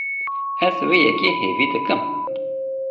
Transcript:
Ez vê yekê hêvî dikim.